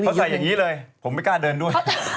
เขาใส่อย่างนี้เลยผมไม่กล้าเดินด้วย